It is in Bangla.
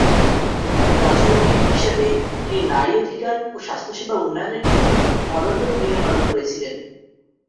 রাজনৈতিক হিসবে তিনি নারী অধিকার ও স্বাস্থ্য সেবা উন্নয়নের ক্ষেত্রে অনন্য ভূমিকা পালন করেছিলেন।